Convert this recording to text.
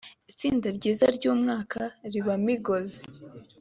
itsinda ryiza ry’umwaka riba Migos